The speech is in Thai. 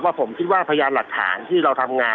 ผมคิดว่าพยานหลักฐานที่เราทำงาน